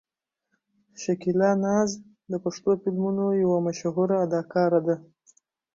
شکیلا ناز د پښتو فلمونو یوه مشهوره اداکاره ده.